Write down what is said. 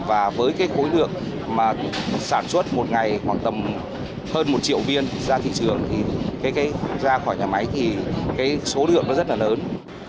và với cái khối lượng sản xuất một ngày khoảng tầm hơn một triệu viên ra thị trường thì ra khỏi nhà máy thì số lượng rất là lớn